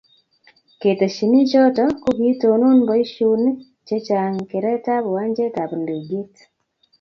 ketesyini choto, ko kiitonon boisionik che chang' keretab uwanjetab ndeget